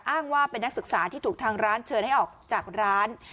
อ้างว่าเป็นนักศึกษาที่ถูกทางร้านเชิญให้ออกจากร้าน